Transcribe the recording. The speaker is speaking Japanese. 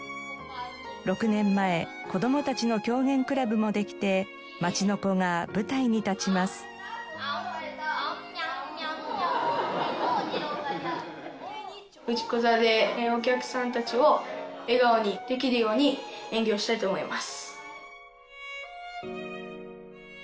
６年前こどもたちの狂言くらぶもできて町の子が舞台に立ちます。と思います。